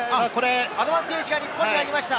アドバンテージが日本にありました。